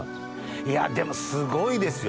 いやでもすごいですよ。